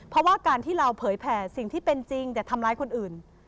เพราะว่าการที่เราเผยแผ่สิ่งที่เป็นจริงอย่าทำร้ายคนอื่น